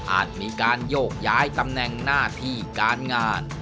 อาจมีการโยกย้ายตำแหน่งหน้าที่การงาน